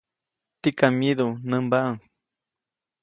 Tikam myidu, nämbaʼuŋ.